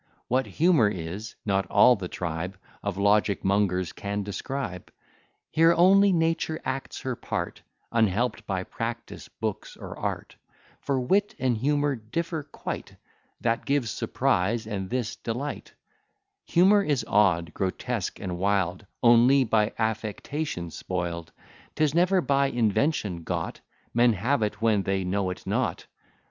What humour is, not all the tribe Of logic mongers can describe; Here only nature acts her part, Unhelp'd by practice, books, or art: For wit and humour differ quite; That gives surprise, and this delight, Humour is odd, grotesque, and wild, Only by affectation spoil'd; 'Tis never by invention got, Men have it when they know it not.